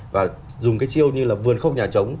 và dùng chiêu như là vườn khốc nhà trống